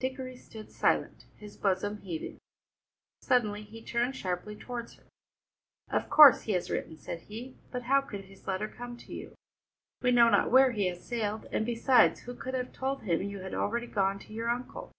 Dickory stood silent, his bosom heaving. Suddenly he turned sharply towards her. "Of course he has written," said he, "but how could his letter come to you? We know not where he has sailed, and besides, who could have told him you had already gone to your uncle?